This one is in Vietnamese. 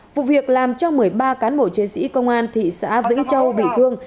vụ việc làm cho một mươi ba cán bộ chiến sĩ công an thị xã vĩnh châu bị thương